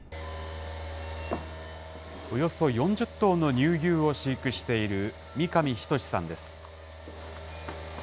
およそ４０頭の乳牛を飼育している三神仁さんです。